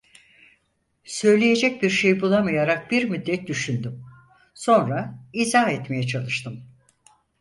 Söyleyecek bir şey bulamayarak bir müddet düşündüm, sonra izah etmeye çalıştım: